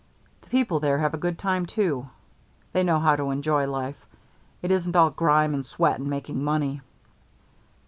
The people there have a good time too. They know how to enjoy life it isn't all grime and sweat and making money."